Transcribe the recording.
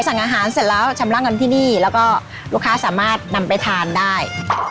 สั่งอาหารเสร็จแล้วชำระเงินที่นี่แล้วก็ลูกค้าสามารถนำไปทานได้